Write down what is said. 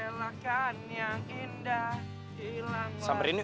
terelakkan yang indah hilang waktu dan